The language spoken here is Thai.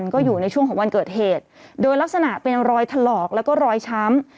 ก็อยู่ในช่วงของวันเกิดเหตุโดยลักษณะเป็นรอยถลอกแล้วก็รอยช้ำ